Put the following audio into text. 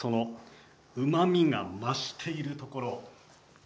うまみが増しているところ。